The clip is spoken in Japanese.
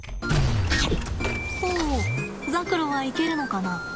おザクロはいけるのかな。